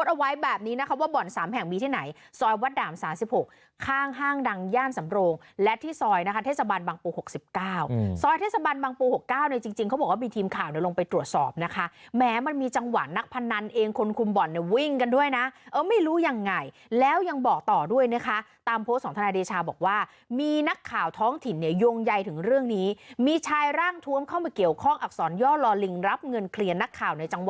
ดาม๓๖ข้างห้างดังย่านสำโรงและที่ซอยนะคะเทศบันบังปู๖๙ซอยเทศบันบังปู๖๙จริงเขาบอกว่ามีทีมข่าวลงไปตรวจสอบนะคะแม้มันมีจังหวัดนักพนันเองคนคุมบ่อนวิ่งกันด้วยนะไม่รู้ยังไงแล้วยังบอกต่อด้วยนะคะตามโพสต์ของทนายเดชาบอกว่ามีนักข่าวท้องถิ่นยงใยถึงเรื่องนี้มีชายร่างท้วมเข้ามาเกี่ยว